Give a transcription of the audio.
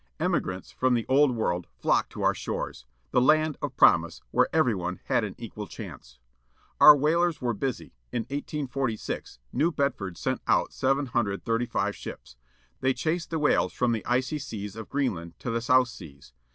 Emigrants from the Old World flocked to our shores â the land of promise â ^where everyone had an equal chance. Our whalers were busy, in 1846 New Bedford sent out 735 ships. They chased the whales from the icy seas of Greenland, to the South seas.